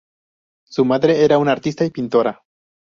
Su madre era una artista y pintora.